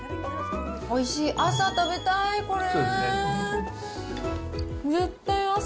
おいしい、朝食べたい、これ。